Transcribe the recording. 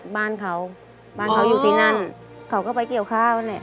บ้านเขาบ้านเขาอยู่ที่นั่นเขาก็ไปเกี่ยวข้าวแหละ